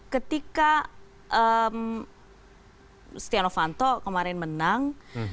ketika stiano fanto kemarin menang